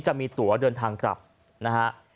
จะมีตัวเดินทางกลับนะฮะ